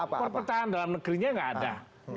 perpecahan dalam negerinya nggak ada